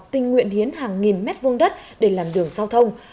tình nguyện hiến hàng nghìn mét vuông đất để làm đường giao thông